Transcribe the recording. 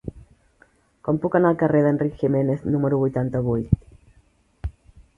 Com puc anar al carrer d'Enric Giménez número vuitanta-vuit?